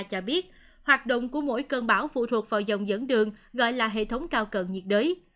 cho biết hoạt động của mỗi cơn bão phụ thuộc vào dòng dẫn đường gọi là hệ thống cao cận nhiệt đới